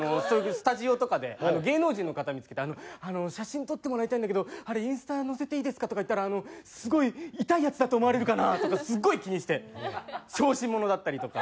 スタジオとかで芸能人の方見付けて「あの写真撮ってもらいたいんだけどインスタ載せていいですか？とか言ったらすごいイタいヤツだと思われるかな？」とかすごい気にして小心者だったりとか。